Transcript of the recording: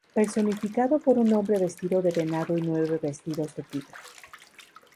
Personificado por un hombre vestido de venado y nueve vestidos de tigre.